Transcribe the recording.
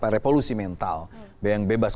revolusi mental yang bebas